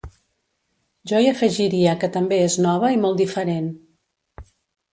Jo hi afegiria que també és nova i molt diferent.